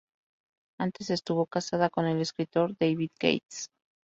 Antes estuvo casada con el escritor David Gates.